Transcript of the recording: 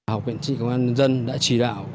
học viện trị công an dân đã chỉ đạo